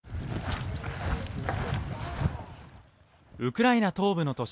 ウクライナ東部の都市